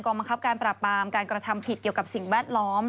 บังคับการปราบปรามการกระทำผิดเกี่ยวกับสิ่งแวดล้อม